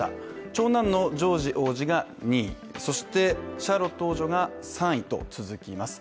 長男のジョージ王子が２位、そしてシャーロット王女が３位と続きます。